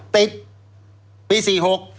ติดปี๔๖